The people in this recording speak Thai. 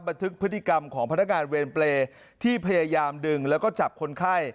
บันทึกพฤติกรรมของพนักงานเวรเปรย์ที่พยายามดึงแล้วก็จับคนไข้